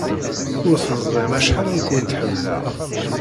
Ur teẓrim acḥal ay kent-ḥemmleɣ.